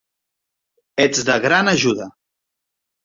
Ets de gran ajuda.